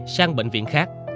sang bệnh viện khác